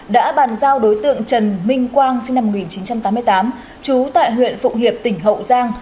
đã bàn giao đối tượng trần minh quang sinh năm một nghìn chín trăm tám mươi tám trú tại huyện phụng hiệp tỉnh hậu giang